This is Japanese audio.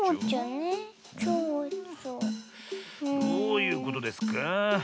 どういうことですか？